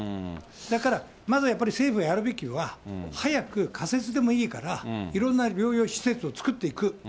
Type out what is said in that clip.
だから、まずはやっぱり政府がやるべきは、早く仮設でもいいから、いろんな療養施設を作っていく。